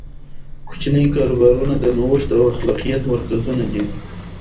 کوچني کاروبارونه د نوښت او خلاقیت مرکزونه دي.